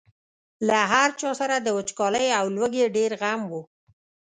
له هر چا سره د وچکالۍ او لوږې ډېر غم و.